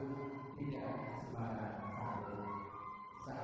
sabu tidak sebarang sabu